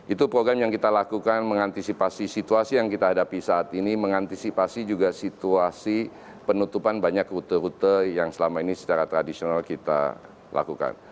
itu program yang kita lakukan mengantisipasi situasi yang kita hadapi saat ini mengantisipasi juga situasi penutupan banyak rute rute yang selama ini secara tradisional kita lakukan